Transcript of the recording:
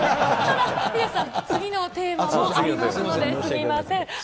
ヒデさん、次のテーマもありますので、すみません。